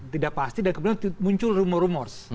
tidak pasti dan kemudian muncul rumor rumor